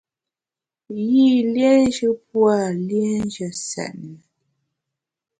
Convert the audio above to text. Yî liénjù pua liénjù nsètne.